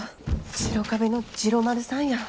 白壁の治郎丸さんや。